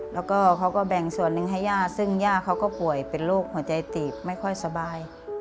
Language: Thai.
แล้วก็เขาก็แบ่งส่วนหนึ่งให้ย่าซึ่งย่าเขาก็ป่วยเป็นโรคหัวใจตีบไม่ค่อยสบาย